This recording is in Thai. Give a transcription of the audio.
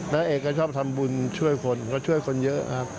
เอกก็ชอบทำบุญช่วยคนก็ช่วยคนเยอะครับ